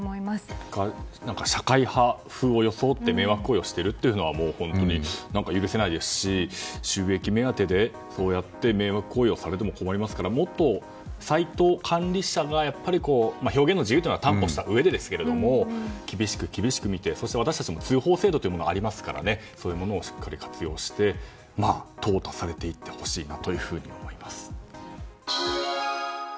社会派風を装って迷惑行為をしているのはもう本当に許せないですし収益目当てでそうやって迷惑行為をされても困りますからもっとサイト管理者が表現の自由は担保したうえでですが厳しく厳しく見てそして私たちも通報制度というものがありますからそういうものをしっかり活用して淘汰されていってほしいなと思います。